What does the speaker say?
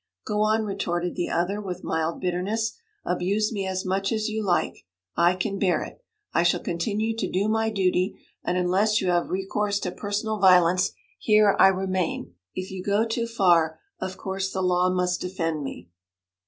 'Go on!' retorted the other, with mild bitterness. 'Abuse me as much as you like, I can bear it. I shall continue to do my duty, and unless you have recourse to personal violence, here I remain. If you go too far, of course the law must defend me!'